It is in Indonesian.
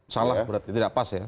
salah berarti tidak pas ya